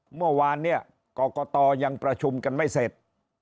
เมื่อวานเนี่ยกรกตยังประชุมกันไม่เสร็จ